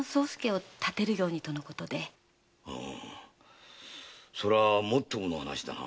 うむそれはもっともな話だな。